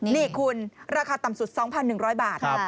นี่คุณราคาต่ำสุด๒๑๐๐บาท